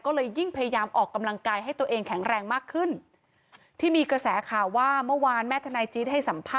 ก็เลยยิ่งพยายามออกกำลังกายให้ตัวเองแข็งแรงมากขึ้นที่มีกระแสข่าวว่าเมื่อวานแม่ทนายจี๊ดให้สัมภาษ